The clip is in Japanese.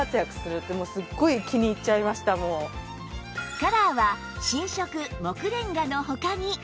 カラーは新色杢レンガの他に